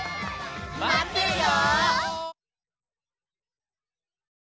まってるよ！